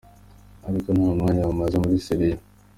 Ariko nta mwanya bamaze muri Syria.